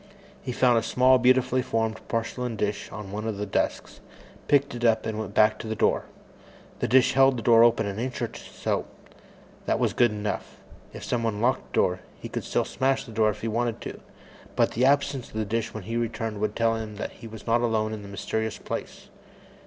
He found a small, beautifully formed porcelain dish on one of the desks, picked it up, and went back to the door. The dish held the door open an inch or so. That was good enough. If someone locked the door, he could still smash in the glass if he wanted to, but the absence of the dish when he returned would tell him that he was not alone in this mysterious place.